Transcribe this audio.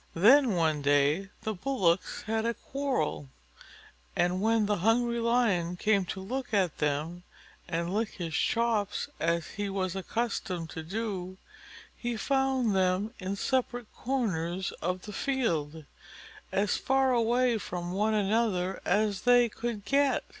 Then one day the Bullocks had a quarrel, and when the hungry Lion came to look at them and lick his chops as he was accustomed to do, he found them in separate corners of the field, as far away from one another as they could get.